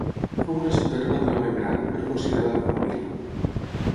Fou una ciutat relativament gran, però considerada com a vila.